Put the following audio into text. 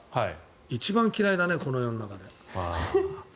一番嫌いだね、この世の中で。